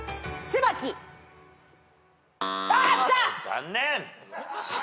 残念。